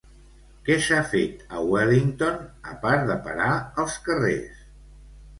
Què s'ha fet a Wellington a part de parar els carrers?